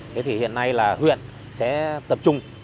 thế thì hiện nay là huyện sẽ tập trung